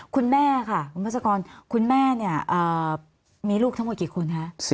คุณแม่ค่ะคุณพัศกรคุณแม่เนี่ยมีลูกทั้งหมดกี่คนคะ